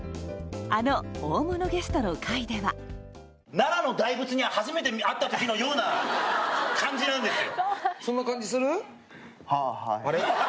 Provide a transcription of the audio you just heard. あの大物ゲストの回では奈良の大仏に初めて会った時のような感じなんですよ。